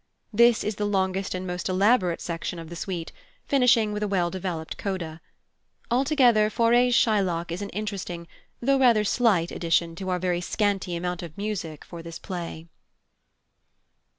This is the longest and most elaborate section of the suite, finishing with a well developed coda. Altogether Fauré's Shylock is an interesting, though rather slight, addition to our very scanty amount of music for this play.